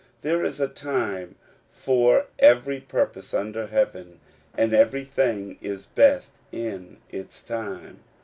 There is a time for every purpose under heaven, and everything is best in its time.